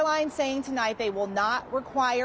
はい。